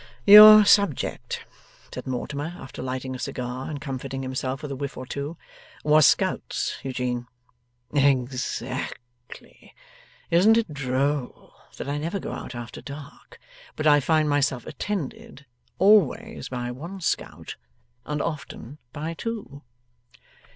'Your subject,' said Mortimer, after lighting a cigar, and comforting himself with a whiff or two, 'was scouts, Eugene.' 'Exactly. Isn't it droll that I never go out after dark, but I find myself attended, always by one scout, and often by two?